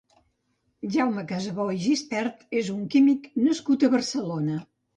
Jaume Casabó i Gispert és un químic nascut a Barcelona.